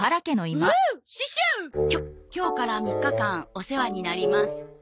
きょ今日から３日間お世話になります。